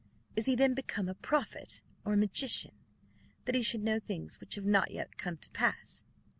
Is he then become a prophet, or a magician, that he should know things which have not yet come to pass?"